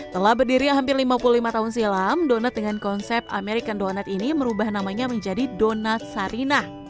telah berdiri hampir lima puluh lima tahun silam donat dengan konsep american donat ini merubah namanya menjadi donat sarinah